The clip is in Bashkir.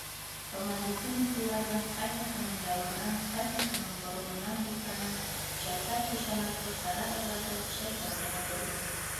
- Камалетдинов уларҙың ҡайһыһының ялынан, ҡайһыһының морононан һыйпаны, «Чапай» ҡушаматлы ҡара айғырға шәкәр һоғондорҙо.